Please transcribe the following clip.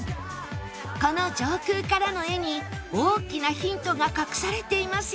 この上空からの画に大きなヒントが隠されていますよ